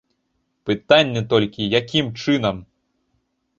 Пытанне толькі, якім чынам.